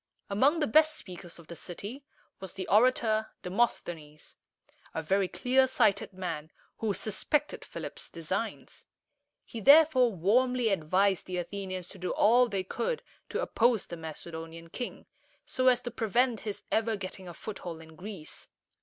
Among the best speakers of the city was the orator De mos´the nes, a very clear sighted man, who suspected Philip's designs. He therefore warmly advised the Athenians to do all they could to oppose the Macedonian king, so as to prevent his ever getting a foothold in Greece.